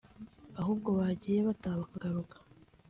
Ahubwo Abagiye bataha bakagaruka